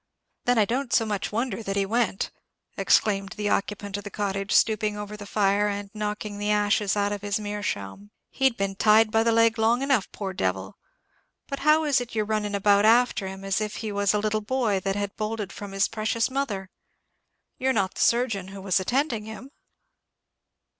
"Then I don't so much wonder that he went," exclaimed the occupant of the cottage, stooping over the fire, and knocking the ashes out of his meerschaum. "He'd been tied by the leg long enough, poor devil! But how is it you're running about after him, as if he was a little boy that had bolted from his precious mother? You're not the surgeon who was attending him?"